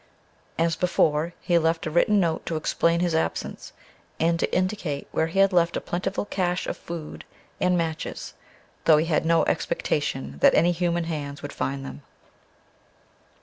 As before, he left a written note to explain his absence, and to indicate where he had left a plentiful cache of food and matches though he had no expectation that any human hands would find them!